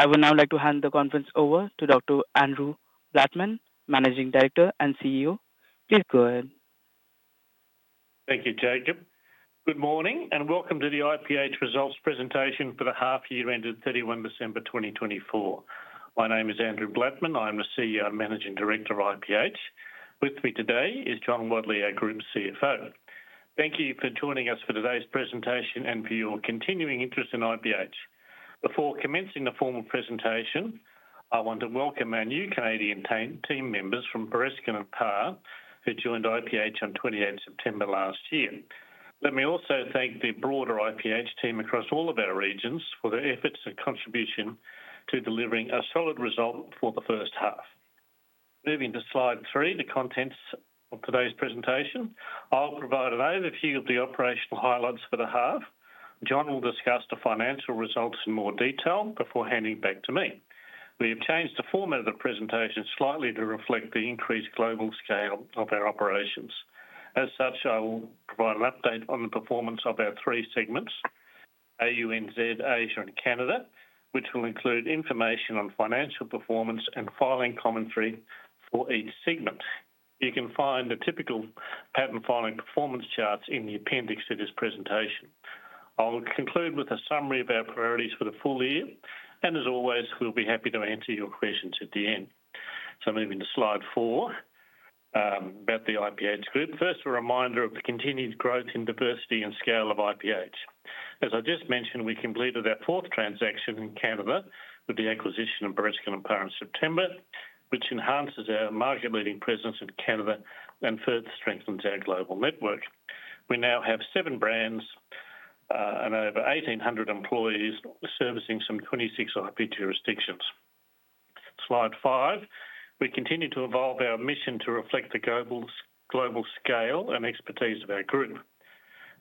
I would now like to hand the conference over to Dr. Andrew Blattman, Managing Director and CEO. Please go ahead. Thank you, Jacob. Good morning and welcome to the IPH results presentation for the half-year ended 31 December 2024. My name is Andrew Blattman. I'm the CEO and Managing Director of IPH. With me today is John Wadley, Group CFO. Thank you for joining us for today's presentation and for your continuing interest in IPH. Before commencing the formal presentation, I want to welcome our new Canadian team members from Bereskin and Parr, who joined IPH on 28 September last year. Let me also thank the broader IPH team across all of our regions for their efforts and contribution to delivering a solid result for the first half. Moving to slide three, the contents of today's presentation, I'll provide an overview of the operational highlights for the half. John will discuss the financial results in more detail before handing back to me. We have changed the format of the presentation slightly to reflect the increased global scale of our operations. As such, I will provide an update on the performance of our three segments, ANZ, Asia, and Canada, which will include information on financial performance and filing commentary for each segment. You can find the typical pattern filing performance charts in the appendix to this presentation. I'll conclude with a summary of our priorities for the full year, and as always, we'll be happy to answer your questions at the end. So moving to slide four about the IPH group, first, a reminder of the continued growth in diversity and scale of IPH. As I just mentioned, we completed our fourth transaction in Canada with the acquisition of Bereskin & Parr in September, which enhances our market-leading presence in Canada and further strengthens our global network. We now have seven brands and over 1,800 employees servicing some 26 IP jurisdictions. Slide five, we continue to evolve our mission to reflect the global scale and expertise of our group.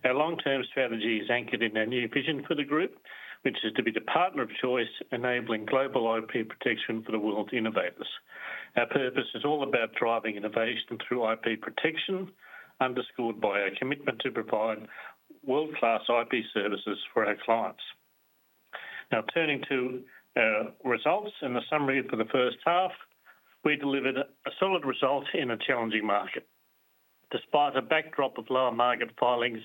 Our long-term strategy is anchored in our new vision for the group, which is to be the partner of choice enabling global IP protection for the world's innovators. Our purpose is all about driving innovation through IP protection, underscored by our commitment to provide world-class IP services for our clients. Now, turning to our results and the summary for the first half, we delivered a solid result in a challenging market. Despite a backdrop of lower market filings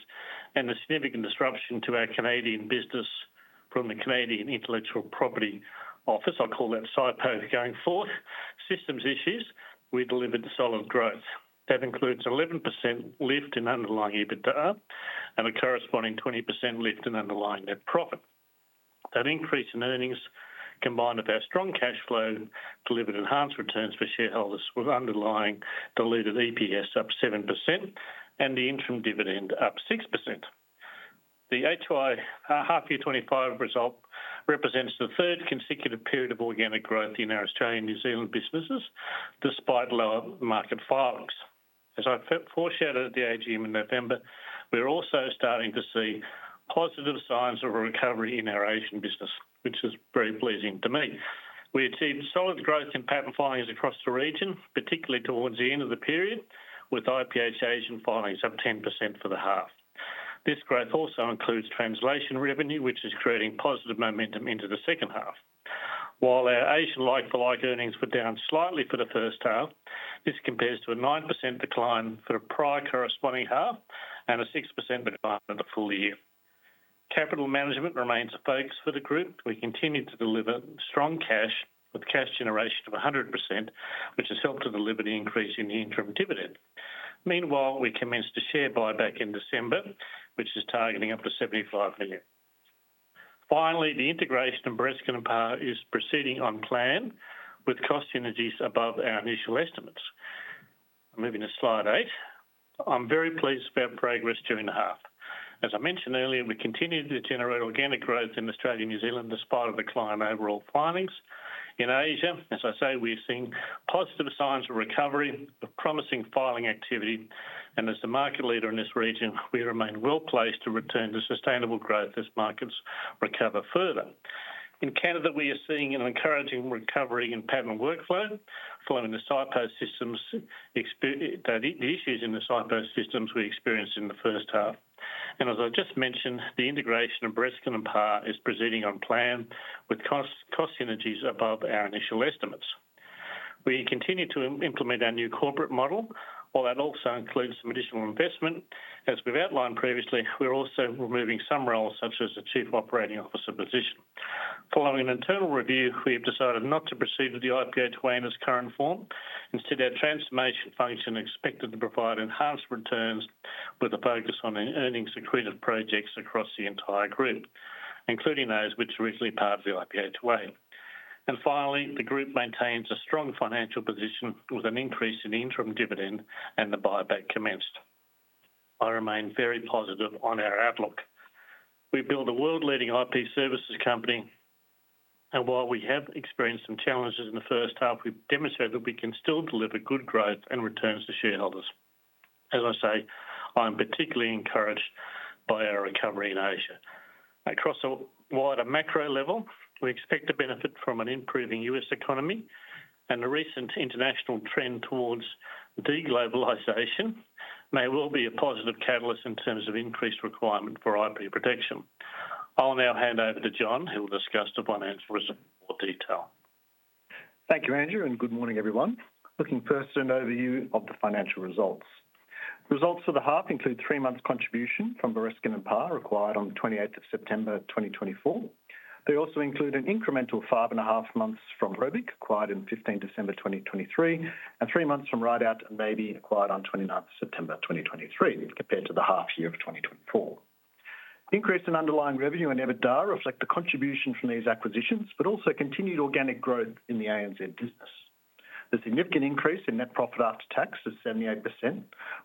and the significant disruption to our Canadian business from the Canadian Intellectual Property Office, I'll call that SIPO for going forward, systems issues, we delivered solid growth. That includes an 11% lift in underlying EBITDA and a corresponding 20% lift in underlying net profit. That increase in earnings, combined with our strong cash flow, delivered enhanced returns for shareholders with underlying diluted EPS up 7% and the interim dividend up 6%. The half-year 2025 result represents the third consecutive period of organic growth in our Australian and New Zealand businesses, despite lower market filings. As I foreshadowed at the AGM in November, we're also starting to see positive signs of a recovery in our Asian business, which is very pleasing to me. We achieved solid growth in patent filings across the region, particularly towards the end of the period, with IPH Asian filings up 10% for the half. This growth also includes translation revenue, which is creating positive momentum into the second half. While our Asian like-for-like earnings were down slightly for the first half, this compares to a 9% decline for a prior corresponding half and a 6% decline for the full year. Capital management remains a focus for the group. We continue to deliver strong cash with cash generation of 100%, which has helped to deliver the increase in the interim dividend. Meanwhile, we commenced to share buyback in December, which is targeting up to 75 million. Finally, the integration of Bereskin & Parr is proceeding on plan, with cost synergies above our initial estimates. Moving to slide eight, I'm very pleased with our progress during the half. As I mentioned earlier, we continue to generate organic growth in Australia and New Zealand, despite a decline in overall filings. In Asia, as I say, we're seeing positive signs of recovery, of promising filing activity, and as the market leader in this region, we remain well placed to return to sustainable growth as markets recover further. In Canada, we are seeing an encouraging recovery in patent workflow, following the CIPO systems, the issues in the CIPO systems we experienced in the first half, and as I just mentioned, the integration of Bereskin & Parr is proceeding on plan, with cost synergies above our initial estimates. We continue to implement our new corporate model, while that also includes some additional investment. As we've outlined previously, we're also removing some roles, such as the Chief Operating Officer position. Following an internal review, we have decided not to proceed with the IPH Way in its current form. Instead, our transformation function is expected to provide enhanced returns with a focus on earnings-accretive projects across the entire group, including those which are originally part of the IPH Way. And finally, the group maintains a strong financial position with an increase in interim dividend and the buyback commenced. I remain very positive on our outlook. We build a world-leading IP services company, and while we have experienced some challenges in the first half, we've demonstrated that we can still deliver good growth and returns to shareholders. As I say, I'm particularly encouraged by our recovery in Asia. Across a wider macro level, we expect to benefit from an improving U.S. economy, and the recent international trend towards deglobalization may well be a positive catalyst in terms of increased requirement for IP protection. I'll now hand over to John, who will discuss the financial results in more detail. Thank you, Andrew, and good morning, everyone. Looking first at an overview of the financial results. Results for the half include three months' contribution from Bereskin & Parr acquired on 28 September 2024. They also include an incremental five and a half months from ROBIC acquired on 15 December 2023, and three months from Ridout & Maybee acquired on 29 September 2023, compared to the half-year of 2024. Increase in underlying revenue and EBITDA reflect the contribution from these acquisitions, but also continued organic growth in the ANZ business. The significant increase in net profit after tax of 78%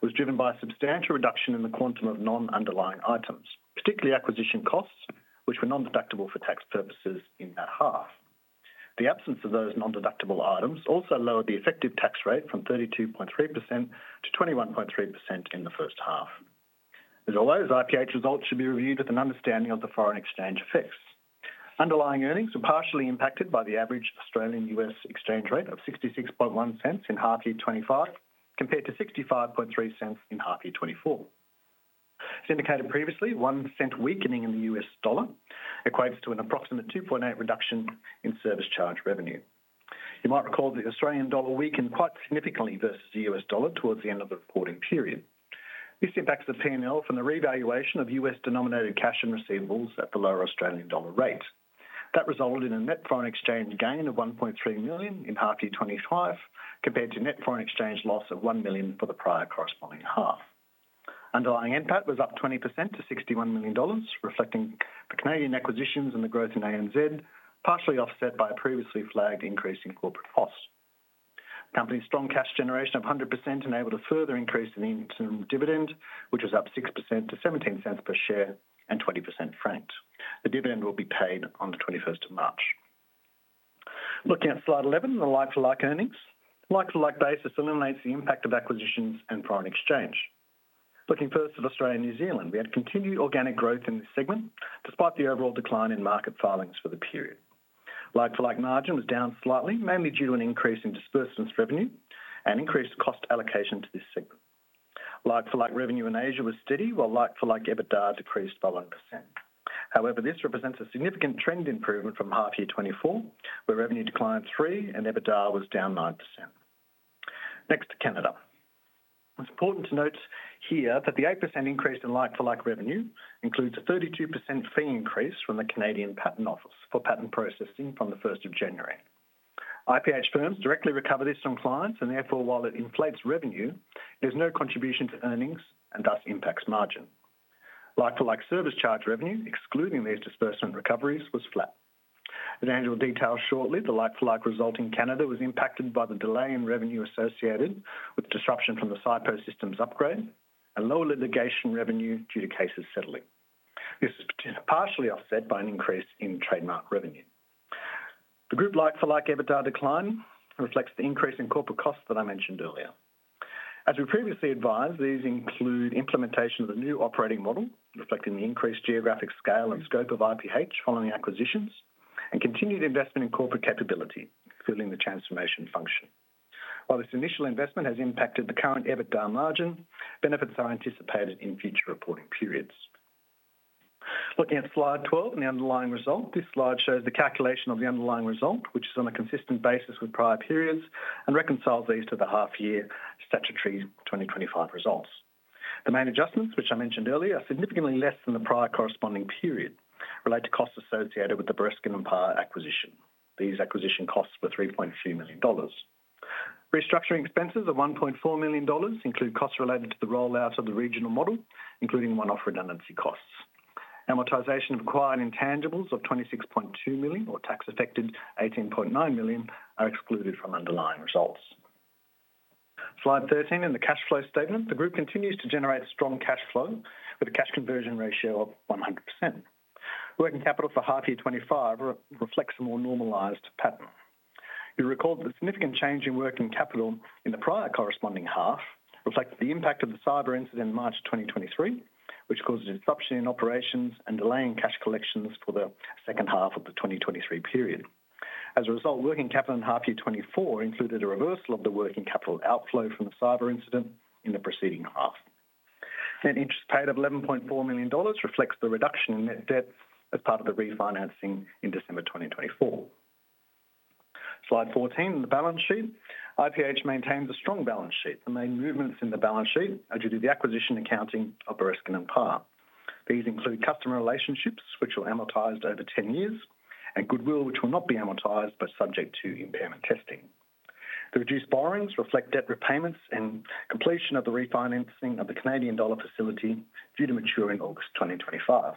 was driven by a substantial reduction in the quantum of non-underlying items, particularly acquisition costs, which were non-deductible for tax purposes in that half. The absence of those non-deductible items also lowered the effective tax rate from 32.3%-21.3% in the first half. As always, IPH results should be reviewed with an understanding of the foreign exchange effects. Underlying earnings were partially impacted by the average Australian U.S. exchange rate of 66.1 cents in half-year 2025, compared to 65.3 cents in half-year 2024. As indicated previously, one cent weakening in the U.S. dollar equates to an approximate 2.8% reduction in service charge revenue. You might recall that the Australian dollar weakened quite significantly versus the U.S. dollar towards the end of the reporting period. This impacts the P&L from the revaluation of U.S. denominated cash and receivables at the lower Australian dollar rate. That resulted in a net foreign exchange gain of 1.3 million in half-year 2025, compared to net foreign exchange loss of 1 million for the prior corresponding half. Underlying impact was up 20% to 61 million dollars, reflecting the Canadian acquisitions and the growth in ANZ, partially offset by a previously flagged increase in corporate cost. The company's strong cash generation of 100% enabled a further increase in the interim dividend, which was up 6% to 0.17 per share and 20% franked. The dividend will be paid on the 21st of March. Looking at slide 11, the like-for-like earnings. Like-for-like basis eliminates the impact of acquisitions and foreign exchange. Looking first at Australia and New Zealand, we had continued organic growth in this segment, despite the overall decline in market filings for the period. Like-for-like margin was down slightly, mainly due to an increase in disbursements revenue and increased cost allocation to this segment. Like-for-like revenue in Asia was steady, while like-for-like EBITDA decreased by 1%. However, this represents a significant trend improvement from half-year 2024, where revenue declined 3% and EBITDA was down 9%. Next, to Canada. It's important to note here that the 8% increase in like-for-like revenue includes a 32% fee increase from the Canadian Patent Office for patent processing from the 1st of January. IPH firms directly recover this from clients, and therefore, while it inflates revenue, there's no contribution to earnings and thus impacts margin. Like-for-like service charge revenue, excluding these disbursement recoveries, was flat. I'll go into detail shortly, the like-for-like result in Canada was impacted by the delay in revenue associated with disruption from the CIPO systems upgrade and lower litigation revenue due to cases settling. This was partially offset by an increase in trademark revenue. The group like-for-like EBITDA decline reflects the increase in corporate costs that I mentioned earlier. As we previously advised, these include implementation of the new operating model, reflecting the increased geographic scale and scope of IPH following acquisitions, and continued investment in corporate capability, fulfilling the transformation function. While this initial investment has impacted the current EBITDA margin, benefits are anticipated in future reporting periods. Looking at slide 12 and the underlying result, this slide shows the calculation of the underlying result, which is on a consistent basis with prior periods, and reconciles these to the half-year statutory 2025 results. The main adjustments, which I mentioned earlier, are significantly less than the prior corresponding period, relate to costs associated with the Bereskin & Parr acquisition. These acquisition costs were 3.2 million dollars. Restructuring expenses of 1.4 million dollars include costs related to the rollout of the regional model, including one-off redundancy costs. Amortization of acquired intangibles of 26.2 million, or tax-affected 18.9 million, are excluded from underlying results. Slide 13, in the cash flow statement, the group continues to generate strong cash flow with a cash conversion ratio of 100%. Working capital for half-year 25 reflects a more normalized pattern. You'll recall that the significant change in working capital in the prior corresponding half reflected the impact of the cyber incident in March 2023, which caused disruption in operations and delaying cash collections for the second half of the 2023 period. As a result, working capital in half-year 24 included a reversal of the working capital outflow from the cyber incident in the preceding half. Net interest paid of 11.4 million dollars reflects the reduction in net debt as part of the refinancing in December 2024. Slide 14, in the balance sheet, IPH maintains a strong balance sheet. The main movements in the balance sheet are due to the acquisition accounting of Bereskin & Parr. These include customer relationships, which were amortized over 10 years, and goodwill, which will not be amortized but subject to impairment testing. The reduced borrowings reflect debt repayments and completion of the refinancing of the Canadian dollar facility due to mature in August 2025.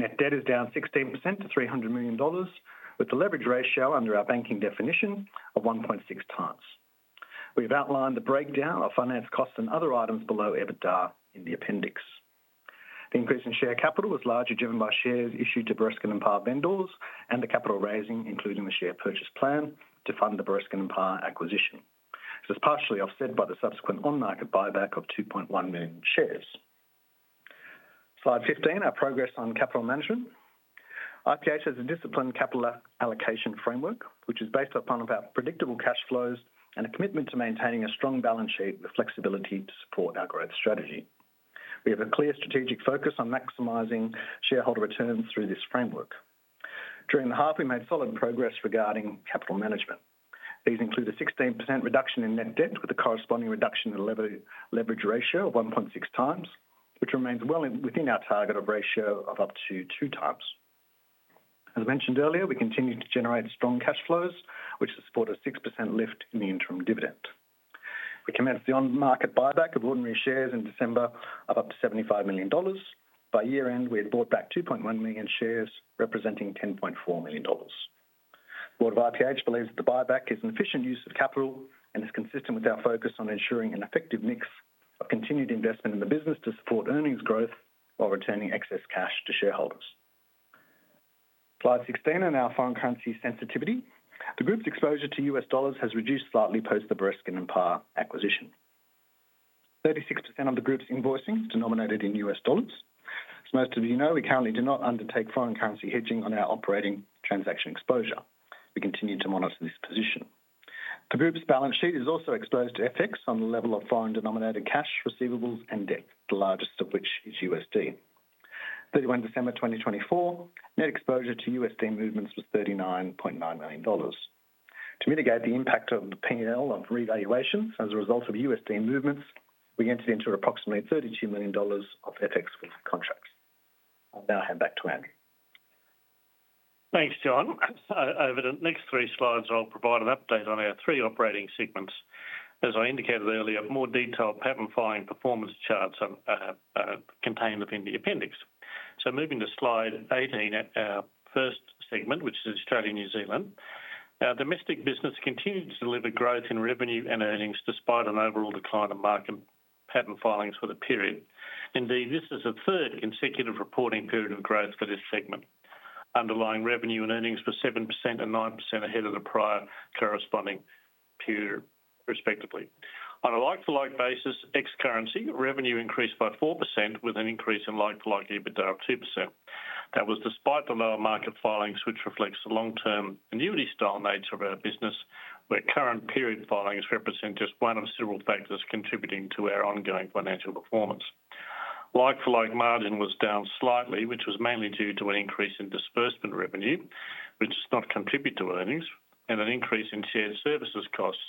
Net debt is down 16% to 300 million dollars, with the leverage ratio under our banking definition of 1.6 times. We've outlined the breakdown of finance costs and other items below EBITDA in the appendix. The increase in share capital was largely driven by shares issued to Bereskin & Parr vendors and the capital raising, including the share purchase plan, to fund the Bereskin & Parr acquisition. This was partially offset by the subsequent on-market buyback of 2.1 million shares. Slide 15, our progress on capital management. IPH has a disciplined capital allocation framework, which is based upon our predictable cash flows and a commitment to maintaining a strong balance sheet with flexibility to support our growth strategy. We have a clear strategic focus on maximizing shareholder returns through this framework. During the half, we made solid progress regarding capital management. These include a 16% reduction in net debt with a corresponding reduction in leverage ratio of 1.6 times, which remains well within our target of ratio of up to 2 times. As mentioned earlier, we continue to generate strong cash flows, which support a 6% lift in the interim dividend. We commenced the on-market buyback of ordinary shares in December of up to $75 million. By year-end, we had bought back 2.1 million shares, representing $10.4 million. The board of IPH believes that the buyback is an efficient use of capital and is consistent with our focus on ensuring an effective mix of continued investment in the business to support earnings growth while returning excess cash to shareholders. Slide 16, in our foreign currency sensitivity, the group's exposure to U.S. dollars has reduced slightly post the Bereskin & Parr acquisition. 36% of the group's invoicing is denominated in U.S. dollars. As most of you know, we currently do not undertake foreign currency hedging on our operating transaction exposure. We continue to monitor this position. The group's balance sheet is also exposed to FX on the level of foreign denominated cash receivables and debt, the largest of which is USD. 31 December 2024, net exposure to USD movements was $39.9 million. To mitigate the impact of the P&L of revaluations as a result of USD movements, we entered into approximately $32 million of FX with contracts. I'll now hand back to Andrew. Thanks, John. Over the next three slides, I'll provide an update on our three operating segments. As I indicated earlier, more detailed patent filing performance charts are contained within the appendix. So moving to slide 18, our first segment, which is Australia and New Zealand. Our domestic business continues to deliver growth in revenue and earnings despite an overall decline in market patent filings for the period. Indeed, this is the third consecutive reporting period of growth for this segment. Underlying revenue and earnings were 7% and 9% ahead of the prior corresponding period, respectively. On a like-for-like basis, ex-currency revenue increased by 4%, with an increase in like-for-like EBITDA of 2%. That was despite the lower market filings, which reflects the long-term annuity style nature of our business, where current period filings represent just one of several factors contributing to our ongoing financial performance. Like-for-like margin was down slightly, which was mainly due to an increase in disbursement revenue, which does not contribute to earnings, and an increase in shared services costs,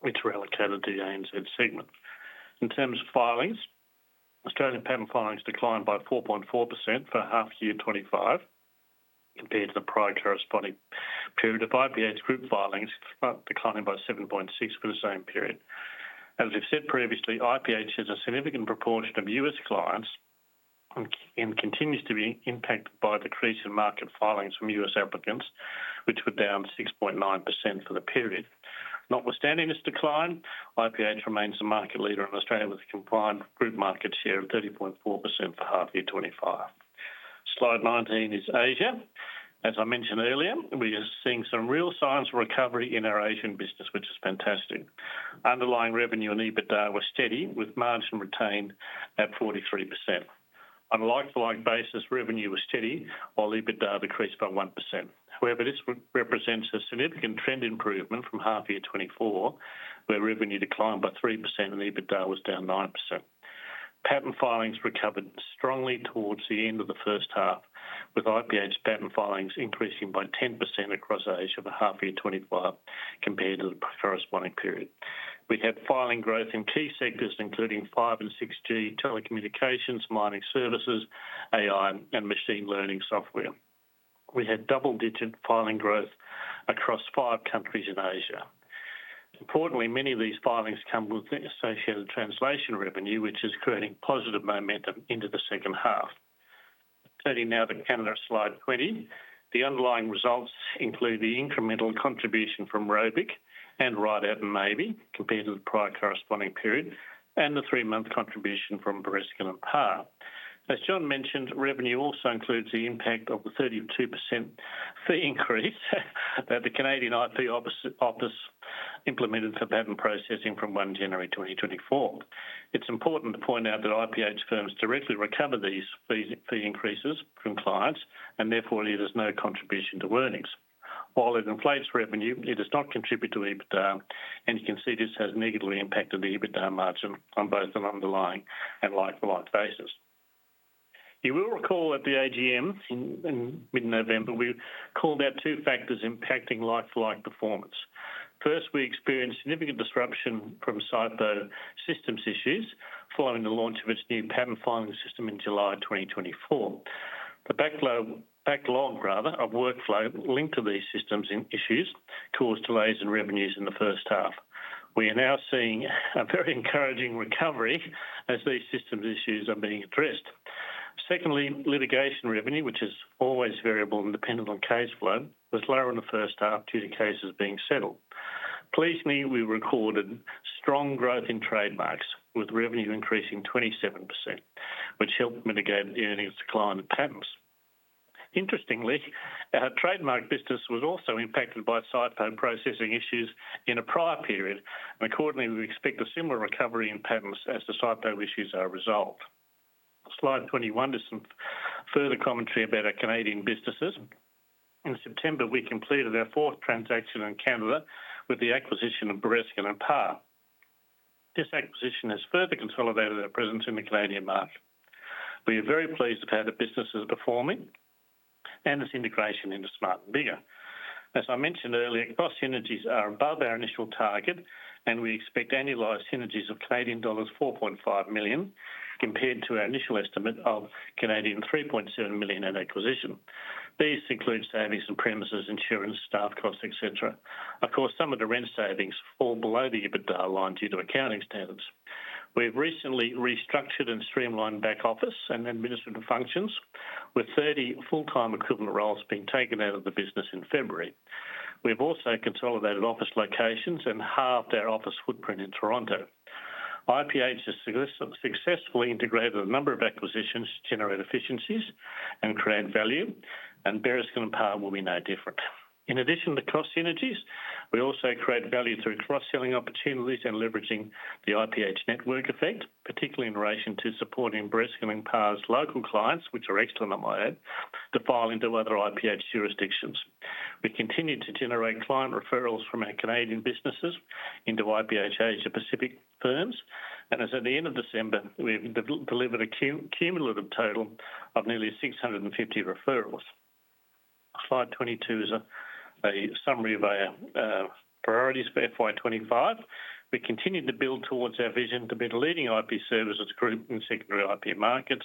which are allocated to the ANZ segment. In terms of filings, Australian patent filings declined by 4.4% for half-year 2025, compared to the prior corresponding period of IPH group filings, declining by 7.6% for the same period. As we've said previously, IPH has a significant proportion of U.S. clients and continues to be impacted by the decrease in market filings from U.S. applicants, which were down 6.9% for the period. Notwithstanding this decline, IPH remains the market leader in Australia with a combined group market share of 30.4% for half-year 2025. Slide 19 is Asia. As I mentioned earlier, we are seeing some real signs of recovery in our Asian business, which is fantastic. Underlying revenue and EBITDA were steady, with margin retained at 43%. On a like-for-like basis, revenue was steady, while EBITDA decreased by 1%. However, this represents a significant trend improvement from half-year 2024, where revenue declined by 3% and EBITDA was down 9%. Patent filings recovered strongly towards the end of the first half, with IPH patent filings increasing by 10% across Asia for half-year 2025, compared to the corresponding period. We had filing growth in key sectors, including 5G and 6G telecommunications, mining services, AI, and machine learning software. We had double-digit filing growth across five countries in Asia. Importantly, many of these filings come with associated translation revenue, which is creating positive momentum into the second half. Turning now to Canada, Slide 20, the underlying results include the incremental contribution from ROBIC and Ridout & Maybee, compared to the prior corresponding period, and the three-month contribution from Bereskin & Parr. As John mentioned, revenue also includes the impact of the 32% fee increase that the Canadian IP Office implemented for patent processing from 1 January 2024. It's important to point out that IPH firms directly recover these fee increases from clients, and therefore it is no contribution to earnings. While it inflates revenue, it does not contribute to EBITDA, and you can see this has negatively impacted the EBITDA margin on both an underlying and like-for-like basis. You will recall at the AGM in mid-November, we called out two factors impacting like-for-like performance. First, we experienced significant disruption from SIPO systems issues following the launch of its new patent filing system in July 2024. The backlog, rather, of workflow linked to these systems and issues caused delays in revenues in the first half. We are now seeing a very encouraging recovery as these systems issues are being addressed. Secondly, litigation revenue, which is always variable and dependent on case flow, was lower in the first half due to cases being settled. Pleasingly, we recorded strong growth in trademarks, with revenue increasing 27%, which helped mitigate the earnings decline in patents. Interestingly, our trademark business was also impacted by SIPO processing issues in a prior period, and accordingly, we expect a similar recovery in patents as the SIPO issues are resolved. Slide 21 is some further commentary about our Canadian businesses. In September, we completed our fourth transaction in Canada with the acquisition of Bereskin & Parr. This acquisition has further consolidated our presence in the Canadian market. We are very pleased with how the business is performing and its integration into Smart & Biggar. As I mentioned earlier, cost synergies are above our initial target, and we expect annualized synergies of Canadian dollars 4.5 million, compared to our initial estimate of 3.7 million at acquisition. These include savings and premises, insurance, staff costs, etc. Of course, some of the rent savings fall below the EBITDA line due to accounting standards. We have recently restructured and streamlined back office and administrative functions, with 30 full-time equivalent roles being taken out of the business in February. We have also consolidated office locations and halved our office footprint in Toronto. IPH has successfully integrated a number of acquisitions to generate efficiencies and create value, and Bereskin & Parr will be no different. In addition to cost synergies, we also create value through cross-selling opportunities and leveraging the IPH network effect, particularly in relation to supporting Bereskin & Parr's local clients, which are excellent at IP ahead, to filing to other IPH jurisdictions. We continue to generate client referrals from our Canadian businesses into IPH Asia Pacific firms, and as at the end of December, we have delivered a cumulative total of nearly 650 referrals. Slide 22 is a summary of our priorities for FY25. We continue to build towards our vision to be the leading IP services group in secondary IP markets.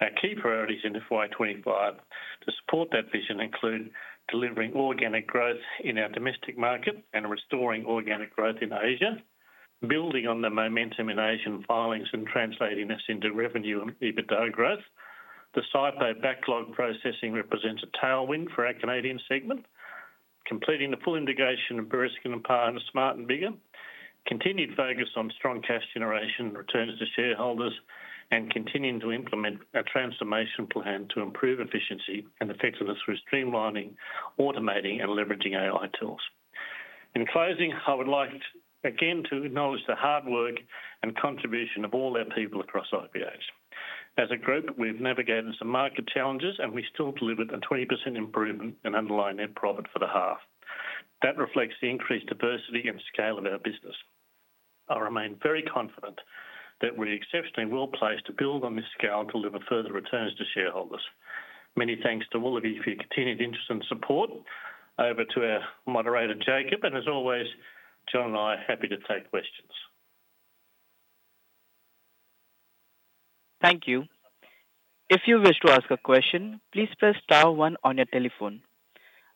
Our key priorities in FY25 to support that vision include delivering organic growth in our domestic market and restoring organic growth in Asia, building on the momentum in Asian filings and translating this into revenue and EBITDA growth. The SIPO backlog processing represents a tailwind for our Canadian segment, completing the full integration of Bereskin & Parr into Smart & Biggar, continued focus on strong cash generation and returns to shareholders, and continuing to implement a transformation plan to improve efficiency and effectiveness through streamlining, automating, and leveraging AI tools. In closing, I would like again to acknowledge the hard work and contribution of all our people across IPH. As a group, we've navigated some market challenges, and we still delivered a 20% improvement in underlying net profit for the half. That reflects the increased diversity and scale of our business. I remain very confident that we're exceptionally well placed to build on this scale and deliver further returns to shareholders. Many thanks to all of you for your continued interest and support. Over to our moderator, Jacob, and as always, John and I are happy to take questions. Thank you. If you wish to ask a question, please press star one on your telephone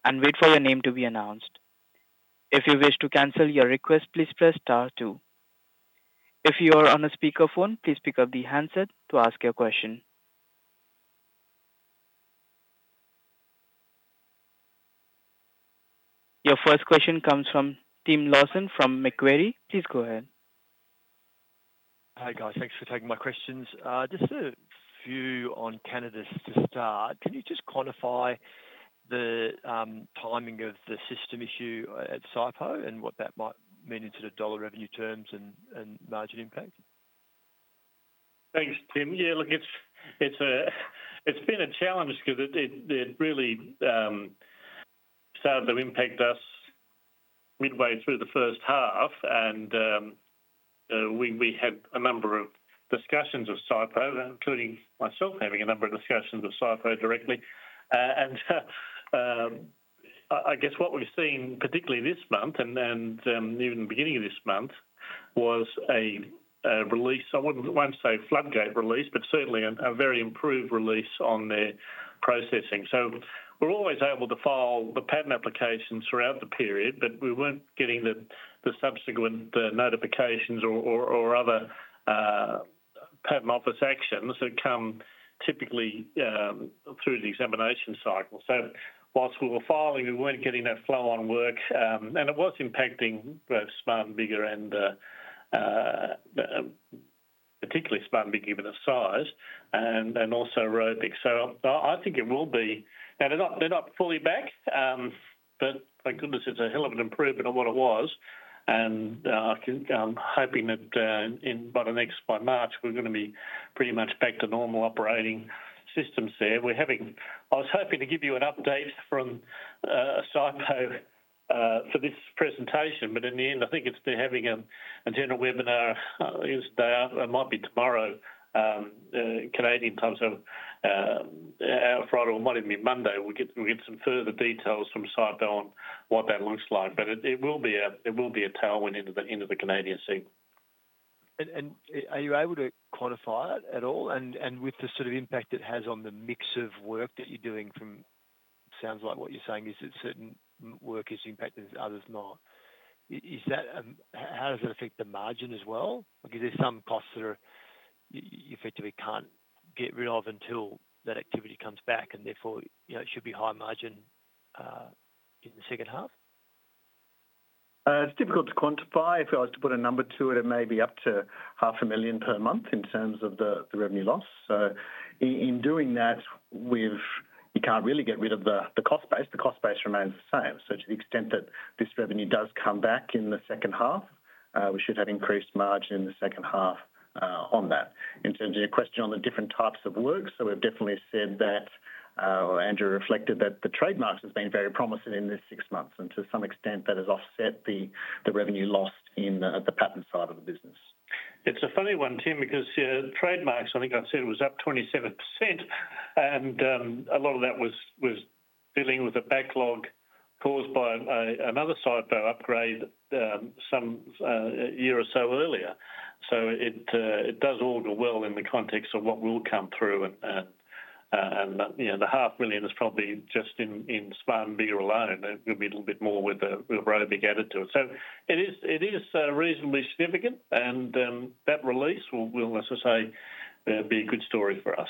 and wait for your name to be announced. If you wish to cancel your request, please press star two. If you are on a speakerphone, please pick up the handset to ask your question. Your first question comes from Tim Lawson from Macquarie. Please go ahead. Hi, guys. Thanks for taking my questions. Just a few on Canada to start. Can you just quantify the timing of the system issue at SIPO and what that might mean in sort of dollar revenue terms and margin impact? Thanks, Tim. Yeah, look, it's been a challenge because it really started to impact us midway through the first half, and we had a number of discussions with SIPO, including myself having a number of discussions with SIPO directly, and I guess what we've seen, particularly this month and even the beginning of this month, was a release. I wouldn't say floodgate release, but certainly a very improved release on their processing, so we're always able to file the patent applications throughout the period, but we weren't getting the subsequent notifications or other patent office actions that come typically through the examination cycle. So whilst we were filing, we weren't getting that flow on work, and it was impacting both Smart & Biggar, and particularly Smart & Biggar given the size, and also ROBIC. So I think it will be. Now, they're not fully back, but thank goodness it's a hell of an improvement on what it was, and I'm hoping that by next March, we're going to be pretty much back to normal operating systems there. I was hoping to give you an update from SIPO for this presentation, but in the end, I think it's they're having a general webinar yesterday. It might be tomorrow, Canadian time, so Friday or Monday we'll get some further details from SIPO on what that looks like, but it will be a tailwind into the Canadian scene. Are you able to quantify it at all? And with the sort of impact it has on the mix of work that you're doing, it sounds like what you're saying is that certain work is impacted, others not. How does it affect the margin as well? Is there some costs that you effectively can't get rid of until that activity comes back, and therefore it should be high margin in the second half? It's difficult to quantify. If I was to put a number to it, it may be up to 500,000 per month in terms of the revenue loss. So in doing that, you can't really get rid of the cost base. The cost base remains the same. So to the extent that this revenue does come back in the second half, we should have increased margin in the second half on that. In terms of your question on the different types of work, so we've definitely said that, or Andrew reflected that the trademarks has been very promising in these six months, and to some extent that has offset the revenue lost in the patent side of the business. It's a funny one, Tim, because trademarks, I think I said it was up 27%, and a lot of that was dealing with a backlog caused by another SIPO upgrade some year or so earlier. So it does all go well in the context of what will come through, and the 500,000 is probably just in Smart & Biggar alone. It will be a little bit more with ROBIC added to it. So it is reasonably significant, and that release will, as I say, be a good story for us.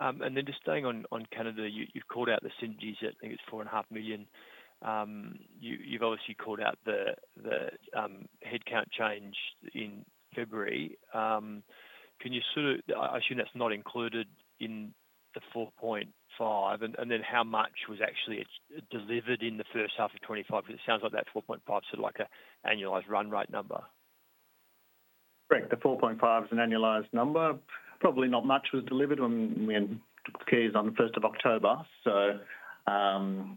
Yeah. And then just staying on Canada, you've called out the synergies. I think it's 4.5 million. You've obviously called out the headcount change in February. Can you sort of, assuming that's not included in the 4.5 million, and then how much was actually delivered in the first half of 2025? Because it sounds like that 4.5 million is sort of like an annualized run rate number. Correct. The 4.5 is an annualized number. Probably not much was delivered. We had keys on the 1st of October, so not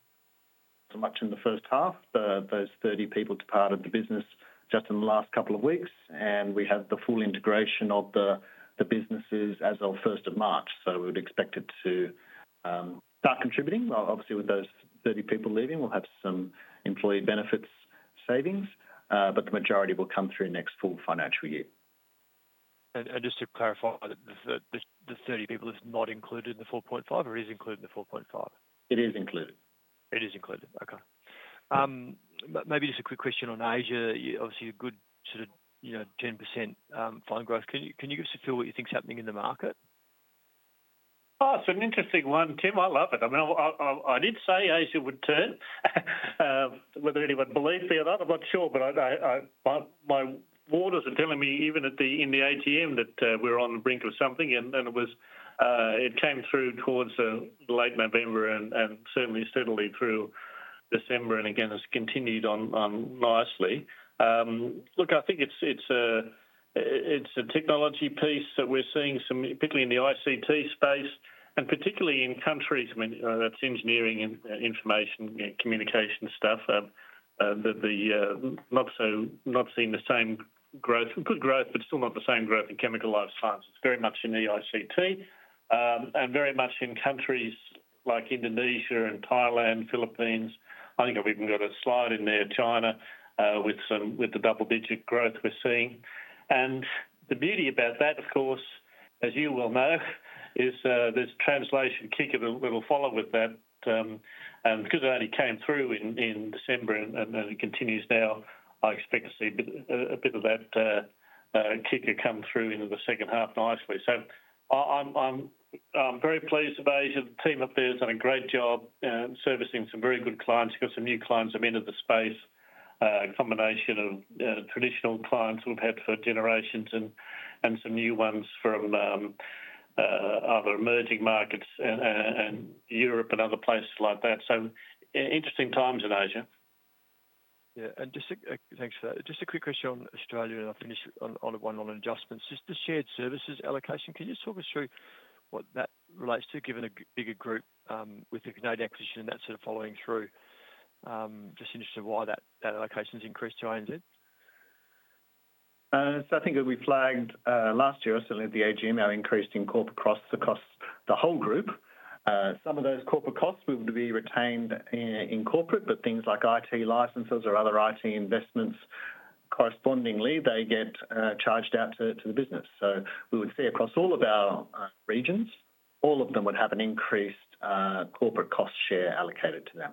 so much in the first half. Those 30 people departed the business just in the last couple of weeks, and we have the full integration of the businesses as of 1st of March. So we would expect it to start contributing. Obviously, with those 30 people leaving, we'll have some employee benefits savings, but the majority will come through next full financial year. Just to clarify, the 30 people is not included in the 4.5, or is included in the 4.5? It is included. It is included. Okay. Maybe just a quick question on Asia. Obviously, a good sort of 10% filing growth. Can you just tell what you think's happening in the market? Oh, it's an interesting one, Tim. I love it. I mean, I did say Asia would turn, whether anyone believed me or not. I'm not sure, but my waters are telling me even in the ATM that we're on the brink of something, and it came through towards late November and certainly steadily through December, and again, it's continued on nicely. Look, I think it's a technology piece that we're seeing some, particularly in the ICT space, and particularly in countries, I mean, that's engineering and information communication stuff, that they're not seeing the same growth, good growth, but still not the same growth in chemical life sciences. It's very much in the ICT and very much in countries like Indonesia and Thailand, Philippines. I think I've even got a slide in there, China, with the double-digit growth we're seeing. And the beauty about that, of course, as you will know, is there's translation kick of a little follow with that, and because it only came through in December and it continues now, I expect to see a bit of that kick come through into the second half nicely. So I'm very pleased with Asia. The team up there has done a great job servicing some very good clients. You've got some new clients that have entered the space, a combination of traditional clients we've had for generations and some new ones from other emerging markets and Europe and other places like that. So interesting times in Asia. Yeah. And just thanks for that. Just a quick question on Australia, and I'll finish on one on adjustments. Just the shared services allocation, can you just talk us through what that relates to, given a bigger group with a Canadian acquisition and that sort of following through? Just interested in why that allocation has increased to ANZ. So I think it'll be flagged last year, certainly at the AGM, our increase in corporate costs across the whole group. Some of those corporate costs will be retained in corporate, but things like IT licenses or other IT investments, correspondingly, they get charged out to the business. So we would see across all of our regions, all of them would have an increased corporate cost share allocated to them.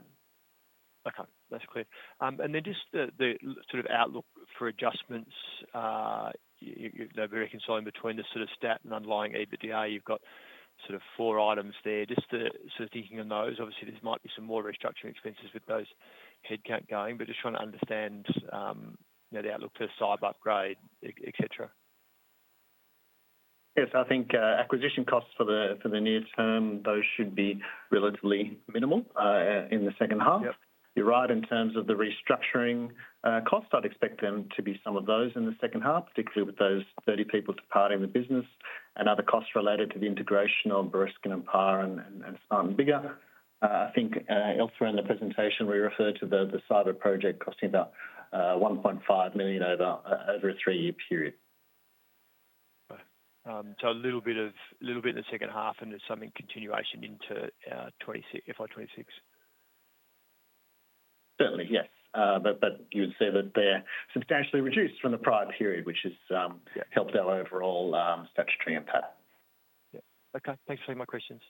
Okay. That's clear. And then just the sort of outlook for adjustments, they're very closely aligning between the sort of stat and underlying EBITDA. You've got sort of four items there. Just sort of thinking on those, obviously, there might be some more restructuring expenses with those headcount going, but just trying to understand the outlook for EBITDA upgrade, etc. Yes. I think acquisition costs for the near term, those should be relatively minimal in the second half. You're right in terms of the restructuring costs. I'd expect them to be some of those in the second half, particularly with those 30 people departing the business and other costs related to the integration of Bereskin & Parr and Smart & Biggar. I think elsewhere in the presentation, we referred to the Cyber project costing about 1.5 million over a three-year period. So a little bit of the second half and then something continuation into FY2026? Certainly, yes. But you would say that they're substantially reduced from the prior period, which has helped our overall statutory impact. Yeah. Okay. Thanks for my questions.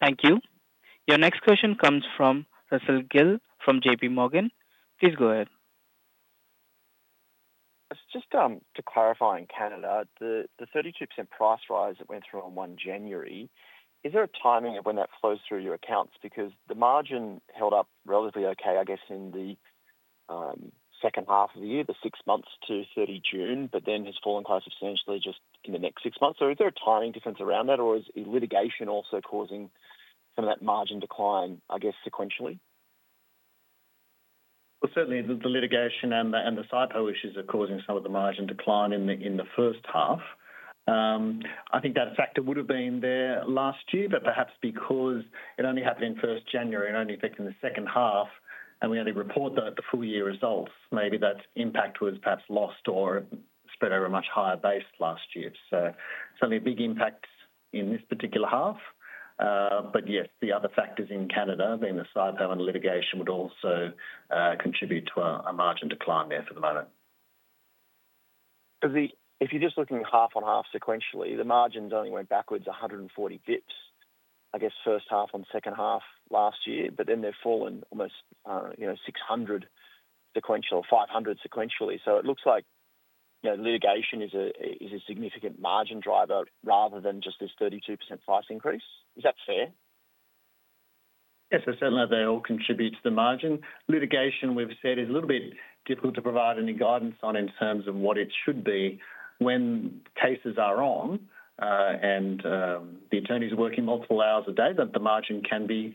Thank you. Your next question comes from Russell Gill from J.P. Morgan. Please go ahead. Just to clarify in Canada, the 32% price rise that went through on 1 January, is there a timing of when that flows through your accounts? Because the margin held up relatively okay, I guess, in the second half of the year, the six months to 30 June, but then has fallen quite substantially just in the next six months. So is there a timing difference around that, or is litigation also causing some of that margin decline, I guess, sequentially? Certainly, the litigation and the SIPO issues are causing some of the margin decline in the first half. I think that factor would have been there last year, but perhaps because it only happened in 1st January and only affected the second half, and we only report the full year results, maybe that impact was perhaps lost or spread over a much higher base last year. Certainly a big impact in this particular half. Yes, the other factors in Canada, being the SIPO and litigation, would also contribute to a margin decline there for the moment. If you're just looking half on half sequentially, the margins only went backwards 140 basis points, I guess, first half and second half last year, but then they've fallen almost 600 sequentially, or 500 sequentially. So it looks like litigation is a significant margin driver rather than just this 32% price increase. Is that fair? Yes. So certainly, they all contribute to the margin. Litigation, we've said, is a little bit difficult to provide any guidance on in terms of what it should be when cases are on and the attorneys working multiple hours a day, but the margin can be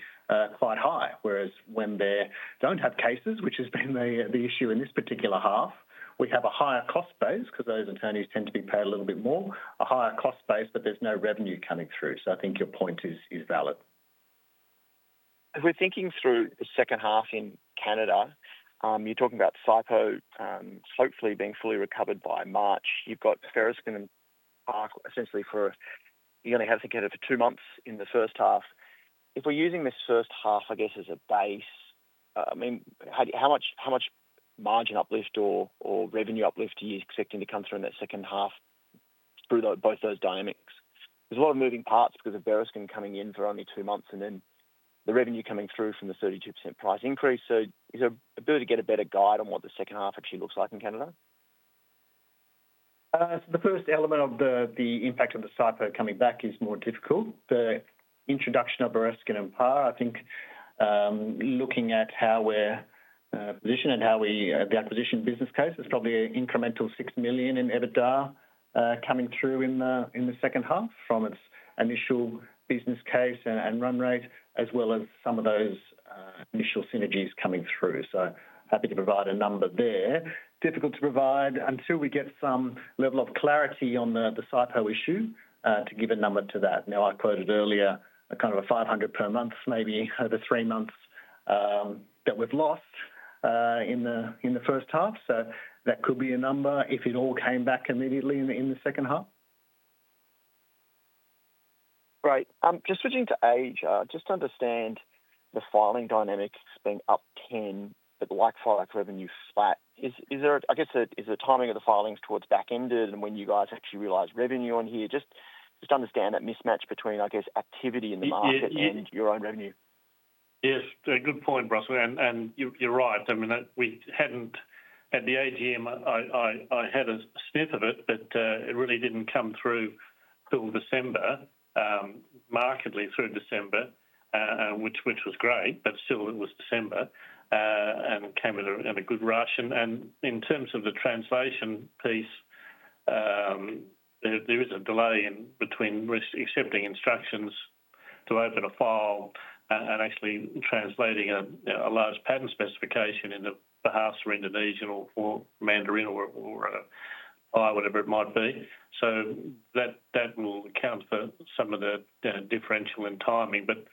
quite high. Whereas when they don't have cases, which has been the issue in this particular half, we have a higher cost base because those attorneys tend to be paid a little bit more, a higher cost base, but there's no revenue coming through. So I think your point is valid. If we're thinking through the second half in Canada, you're talking about SIPO hopefully being fully recovered by March. You've got Bereskin & Parr essentially for you only have to get it for two months in the first half. If we're using this first half, I guess, as a base, I mean, how much margin uplift or revenue uplift are you expecting to come through in that second half through both those dynamics? There's a lot of moving parts because of Bereskin & Parr coming in for only two months and then the revenue coming through from the 32% price increase. So is there a bit of a better guide on what the second half actually looks like in Canada? The first element of the impact of the SIPO coming back is more difficult. The introduction of Bereskin & Parr, I think looking at how we're positioned and how the acquisition business case is probably an incremental 6 million in EBITDA coming through in the second half from its initial business case and run rate, as well as some of those initial synergies coming through. So happy to provide a number there. Difficult to provide until we get some level of clarity on the SIPO issue to give a number to that. Now, I quoted earlier kind of a 500 per month, maybe over three months that we've lost in the first half. So that could be a number if it all came back immediately in the second half. Great. Just switching to Asia, just to understand the filing dynamics being up 10%, but like-for-like revenue flat. I guess it's the timing of the filings towards back-ended and when you guys actually realize revenue on here? Just to understand that mismatch between, I guess, activity in the market and your own revenue. Yes. A good point, Russell, and you're right. I mean, we hadn't at the AGM. I had a sniff of it, but it really didn't come through till December, markedly through December, which was great, but still it was December and came at a good rush. In terms of the translation piece, there is a delay in between accepting instructions to open a file and actually translating a large patent specification in the Bahasa Indonesia or Mandarin or whatever it might be. So that will account for some of the differential in timing, but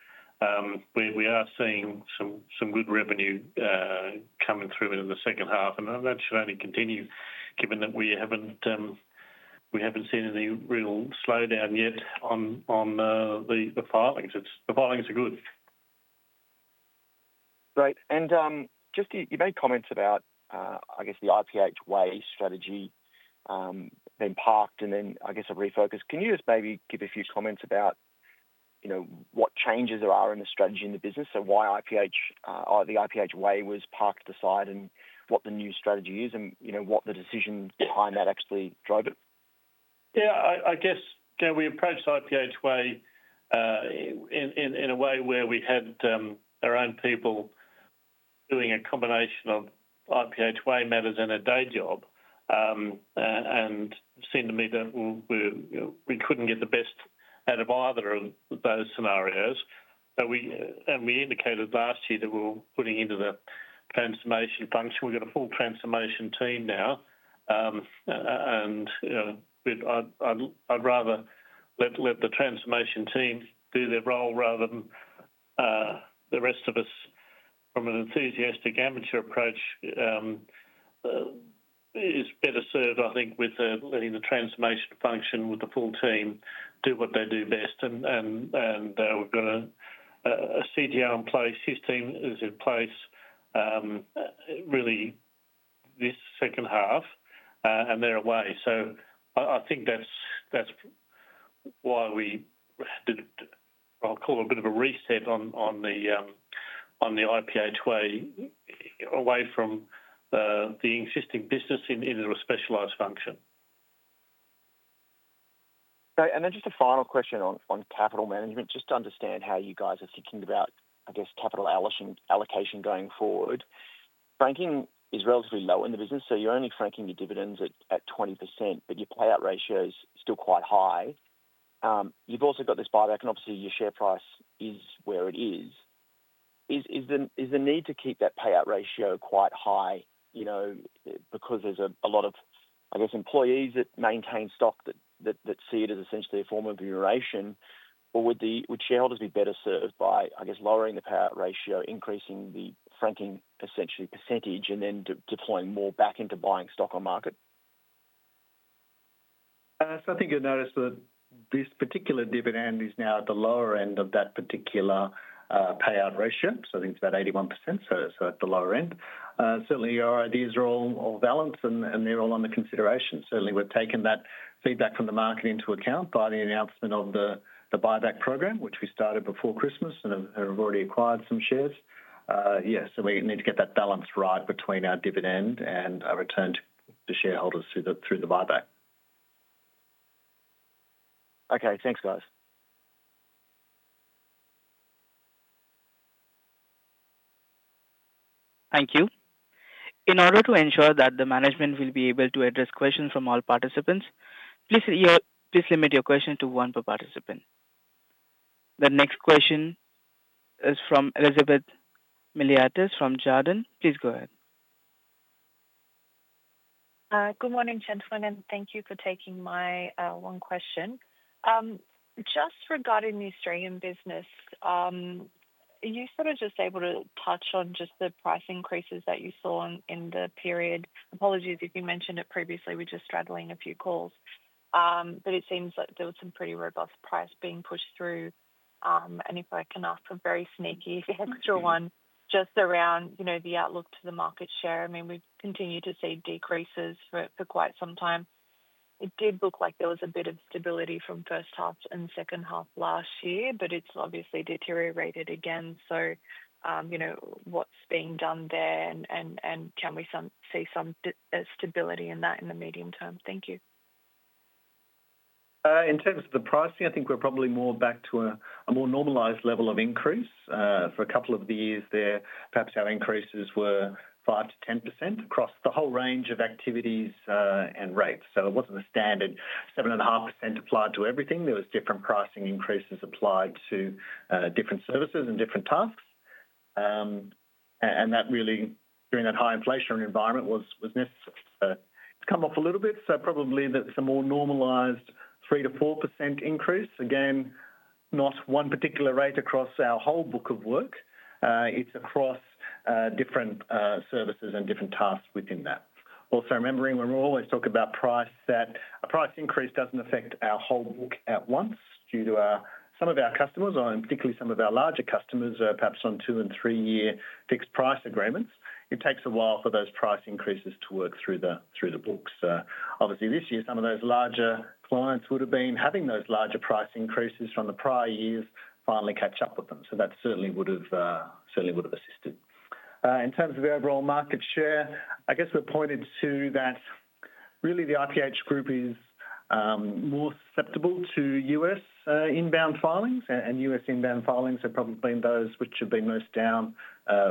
we are seeing some good revenue coming through in the second half, and that should only continue given that we haven't seen any real slowdown yet on the filings. The filings are good. Great. And just you made comments about, I guess, the IPH Way strategy being parked and then, I guess, a refocus. Can you just maybe give a few comments about what changes there are in the strategy in the business and why the IPH Way was parked aside and what the new strategy is and what the decision behind that actually drove it? Yeah. I guess we approached IPH Way in a way where we had our own people doing a combination of IPH Way matters and a day job and seemed to me that we couldn't get the best out of either of those scenarios. And we indicated last year that we're putting into the transformation function. We've got a full transformation team now, and I'd rather let the transformation team do their role rather than the rest of us. From an enthusiastic amateur approach, it's better served, I think, with letting the transformation function with the full team do what they do best. And we've got a CTO in place, his team is in place really this second half, and they're away. So I think that's why we did, I'll call it a bit of a reset on the IPH Way away from the existing business into a specialized function. Great. And then just a final question on capital management, just to understand how you guys are thinking about, I guess, capital allocation going forward. Franking is relatively low in the business, so you're only franking your dividends at 20%, but your payout ratio is still quite high. You've also got this buyback, and obviously, your share price is where it is. Is the need to keep that payout ratio quite high because there's a lot of, I guess, employees that maintain stock that see it as essentially a form of remuneration, or would shareholders be better served by, I guess, lowering the payout ratio, increasing the franking essentially percentage, and then deploying more back into buying stock on market? I think you'll notice that this particular dividend is now at the lower end of that particular payout ratio. I think it's about 81%, so at the lower end. Certainly, our ideas are all valid, and they're all under consideration. Certainly, we're taking that feedback from the market into account by the announcement of the buyback program, which we started before Christmas and have already acquired some shares. Yes. We need to get that balance right between our dividend and our return to shareholders through the buyback. Okay. Thanks, guys. Thank you. In order to ensure that the management will be able to address questions from all participants, please limit your question to one per participant. The next question is from Elizabeth Miliatis from Jarden. Please go ahead. Good morning, gentlemen, and thank you for taking my one question. Just regarding the Australian business, you sort of just able to touch on just the price increases that you saw in the period. Apologies if you mentioned it previously. We're just straddling a few calls, but it seems like there was some pretty robust price being pushed through. And if I can ask a very sneaky extra one, just around the outlook to the market share, I mean, we've continued to see decreases for quite some time. It did look like there was a bit of stability from first half and second half last year, but it's obviously deteriorated again. So what's being done there, and can we see some stability in that in the medium term? Thank you. In terms of the pricing, I think we're probably more back to a more normalized level of increase. For a couple of the years there, perhaps our increases were 5%-10% across the whole range of activities and rates. So it wasn't a standard 7.5% applied to everything. There were different pricing increases applied to different services and different tasks. And that really, during that high inflation environment, was necessary. So it's come off a little bit. So probably that's a more normalized 3%-4% increase. Again, not one particular rate across our whole book of work. It's across different services and different tasks within that. Also remembering, when we always talk about price, that a price increase doesn't affect our whole book at once due to some of our customers, and particularly some of our larger customers, perhaps on two and three-year fixed price agreements. It takes a while for those price increases to work through the books. Obviously, this year, some of those larger clients would have been having those larger price increases from the prior years finally catch up with them. So that certainly would have assisted. In terms of the overall market share, I guess we're pointed to that really the IPH group is more susceptible to U.S. inbound filings, and U.S. inbound filings are probably those which have been most down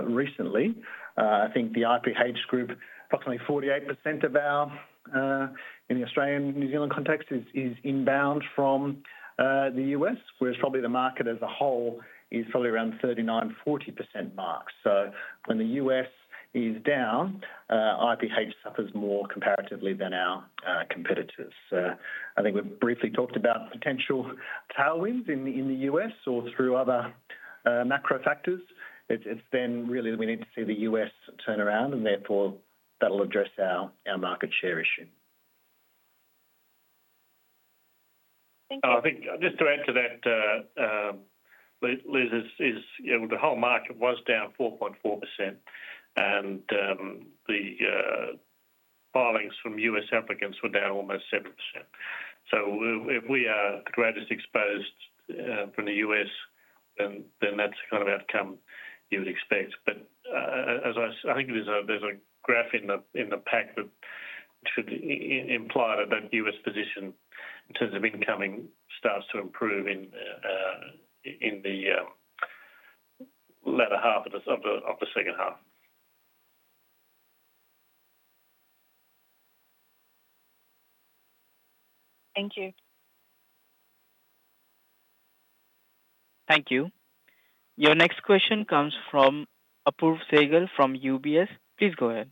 recently. I think the IPH group, approximately 48% of our in the Australian New Zealand context is inbound from the U.S., whereas probably the market as a whole is probably around 39%-40% marks. So when the U.S. is down, IPH suffers more comparatively than our competitors. So I think we've briefly talked about potential tailwinds in the U.S. or through other macro factors. It's then really that we need to see the U.S. turn around, and therefore that'll address our market share issue. Thank you. I think just to add to that, Liz, the whole market was down 4.4%, and the filings from U.S. applicants were down almost 7%. So if we are the greatest exposed from the U.S., then that's the kind of outcome you would expect. But I think there's a graph in the pack that should imply that the U.S. position in terms of incoming starts to improve in the latter half of the second half. Thank you. Thank you. Your next question comes from Apoorv Sehgal from UBS. Please go ahead.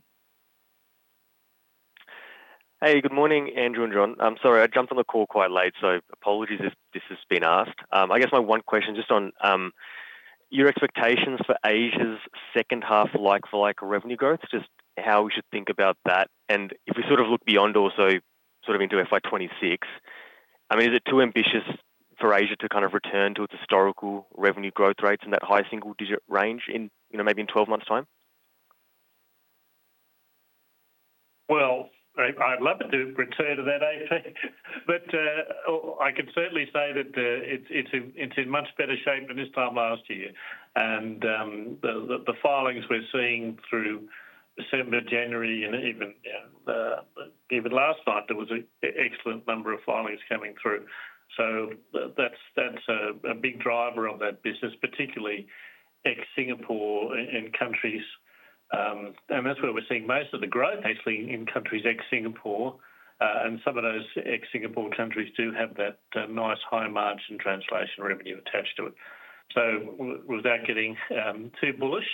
Hey, good morning, Andrew and John. I'm sorry, I jumped on the call quite late, so apologies if this has been asked. I guess my one question just on your expectations for Asia's second half like-for-like revenue growth, just how we should think about that. And if we sort of look beyond also sort of into FY2026, I mean, is it too ambitious for Asia to kind of return to its historical revenue growth rates in that high single-digit range maybe in 12 months' time? Well, I'd love it to return to that age, but I can certainly say that it's in much better shape than this time last year. And the filings we're seeing through December, January, and even last month, there was an excellent number of filings coming through. So that's a big driver of that business, particularly ex-Singapore and countries. And that's where we're seeing most of the growth, actually, in countries ex-Singapore. And some of those ex-Singapore countries do have that nice high margin translation revenue attached to it. So without getting too bullish,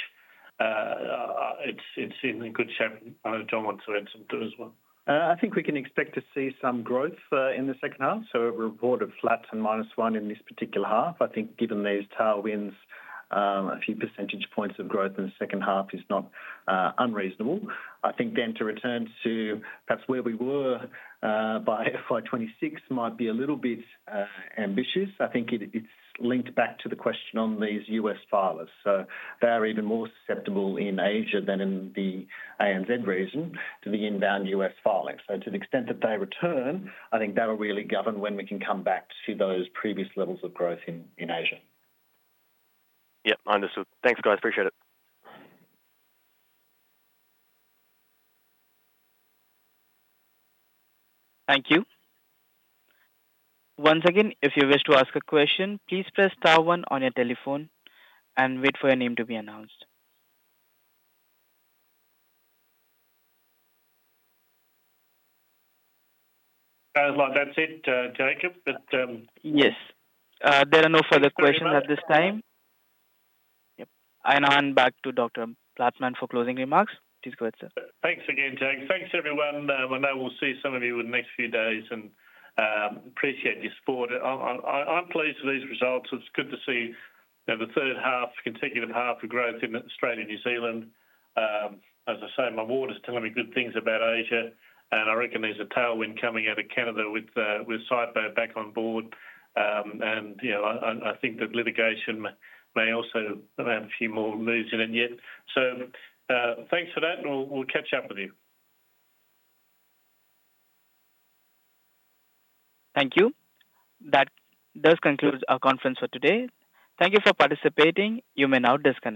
it's in good shape. I know John wants to add something to it as well. I think we can expect to see some growth in the second half. So a report of flat and minus one in this particular half, I think given these tailwinds, a few percentage points of growth in the second half is not unreasonable. I think then to return to perhaps where we were by FY2026 might be a little bit ambitious. I think it's linked back to the question on these U.S. filers. So they are even more susceptible in Asia than in the ANZ region to the inbound U.S. filing. So to the extent that they return, I think that'll really govern when we can come back to those previous levels of growth in Asia. Yep. I understood. Thanks, guys. Appreciate it. Thank you. Once again, if you wish to ask a question, please press star one on your telephone and wait for your name to be announced. Sounds like that's it, Jacob, but. Yes. There are no further questions at this time. Yep. I now hand back to Dr. Blattman for closing remarks. Please go ahead, sir. Thanks again, James. Thanks, everyone. I know we'll see some of you in the next few days, and I appreciate your support. I'm pleased with these results. It's good to see the third consecutive half of growth in Australia and New Zealand. As I say, my daughter's telling me good things about Asia, and I reckon there's a tailwind coming out of Canada with Sidebird back on board. I think that litigation may also have a few more moves in it yet. Thanks for that, and we'll catch up with you. Thank you. That does conclude our conference for today. Thank you for participating. You may now disconnect.